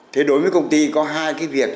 thế đối với công ty có hai cái việc